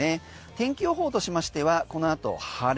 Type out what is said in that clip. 天気予報としましてはこの後晴れ。